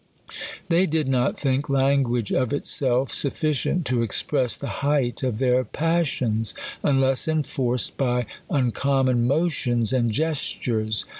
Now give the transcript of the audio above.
They did not think language of itself sufficient to ex press the height of their passions, unless enforced by uncommon motions and gestures.